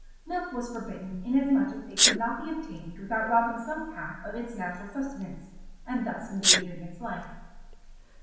Milk was forbidden inasmuch as it could not be obtained without robbing some calf of its natural sustenance, and thus endangering its life.